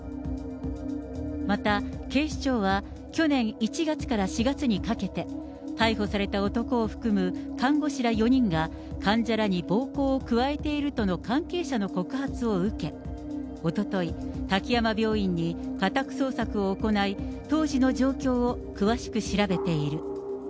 また、警視庁は、去年１月から４月にかけて、逮捕された男を含む看護師ら４人が、患者らに暴行を加えているとの関係者の告発を受け、おととい、滝山病院に家宅捜索を行い、当時の状況を詳しく調べている。